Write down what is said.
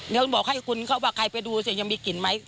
เดี๋ยวบอกให้คุณเขาว่าใครไปดูสิยังมีกลิ่นไหม